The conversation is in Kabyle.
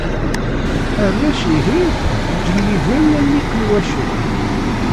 Arrac-ihin ǧelliben am yiqelwacen.